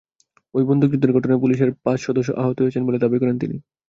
ওই বন্দুকযুদ্ধের ঘটনায় পুলিশের পাঁচ সদস্য আহত হয়েছেন বলে দাবি করেন তিনি।